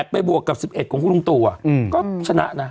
ไปบวกกับ๑๑ของคุณลุงตู่ก็ชนะนะ